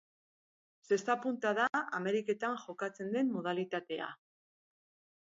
Zesta-punta da Ameriketan jokatzen den modalitatea.